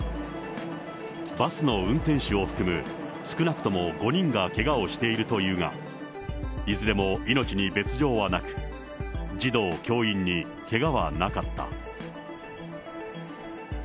バスの運転手を含む少なくとも５人がけがをしているというが、いずれも命に別状はなく、児童・教員にけがはなかった。